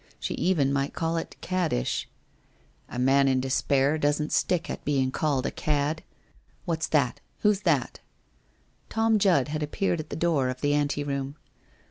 She even might call it caddish/ ' A man in despair doesn't stick at being called a cad. What's that? Who is that?' Tom Judd had appeared at the door of the anteroom.